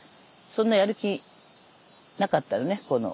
そんなやる気なかったよね。